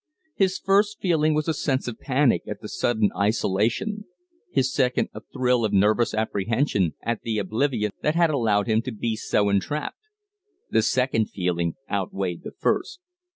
His first feeling was a sense of panic at the sudden isolation, his second a thrill of nervous apprehension at the oblivion that had allowed him to be so entrapped. The second feeling outweighed the first.